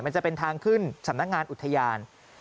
มันจะเป็นทางขึ้นสำนักงานอุทยาน